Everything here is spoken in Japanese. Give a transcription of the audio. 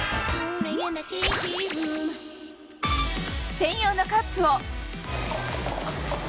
専用のカップを。